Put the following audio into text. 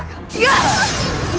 kau tidak layak rai